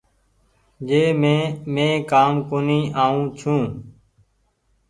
جنهن مي مين ڪآم ڪونيٚ آئو ڇون ۔